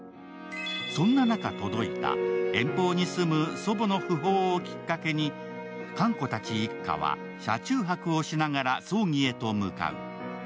そんな中届いた、遠方に住む祖母の訃報をきっかけにかんこたち一家は、車中泊をしながら葬儀へと向かう。